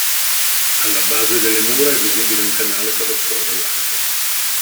Alla base delle mura è visibile un canale per lo scolo dell'acqua.